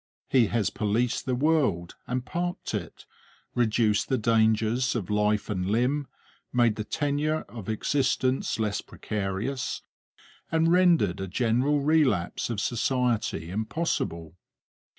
He has policed the world and parked it, reduced the dangers of life and limb, made the tenure of existence less precarious, and rendered a general relapse of society impossible.